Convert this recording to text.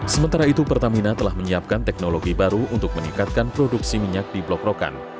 sementara itu pertamina telah menyiapkan teknologi baru untuk meningkatkan produksi minyak di blok rokan